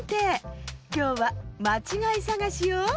きょうはまちがいさがしよ。